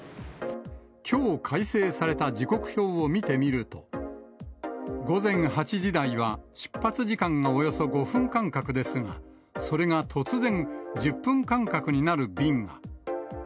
きょう改正された時刻表を見てみると、午前８時台は出発時間はおよそ５分間隔ですが、それが突然、１０分間隔になる便が。